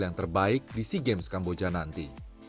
dan juga mendapatkan hasil yang terbaik di sea games kamboja nanti